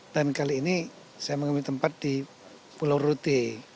dan kali ini saya mengambil tempat di pulau rote